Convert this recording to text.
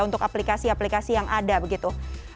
untuk aplikasi aplikasi yang ada begitu